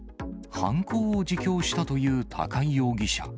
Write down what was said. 犯行を自供したという高井容疑者。